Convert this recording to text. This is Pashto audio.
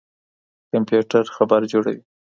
کمپيوټر خبر جوړوي.